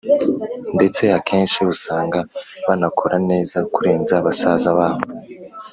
. Ndetse akenshi usanga banakora neza kurenza basaza babo,